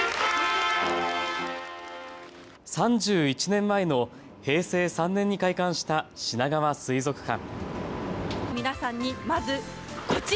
３１年前の平成３年に開館したしながわ水族館。